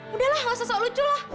udahlah gak usah lucu lah